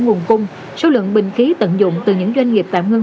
nguồn cung số lượng bình khí tận dụng từ những doanh nghiệp tạm ngưng